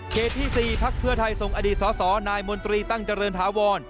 ที่๔พักเพื่อไทยส่งอดีตสสนายมนตรีตั้งเจริญถาวร